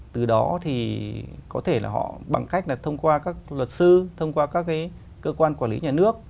từ đó thì có thể là họ bằng cách là thông qua các luật sư thông qua các cơ quan quản lý nhà nước